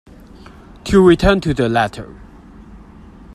To return to the letter.